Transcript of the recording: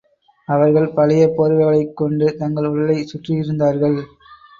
அவர்கள் பழைய போர்வைகளைக் கொண்டு தங்கள் உடலைச் சுற்றியிருந்தார்கள்.